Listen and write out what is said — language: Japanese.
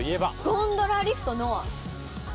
ゴンドラリフト「ノア」。